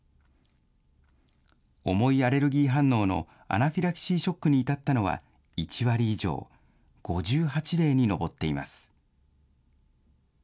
重いアレルギー反応のアナフィラキシーショックに至ったのは１割以上、５８例に上っています。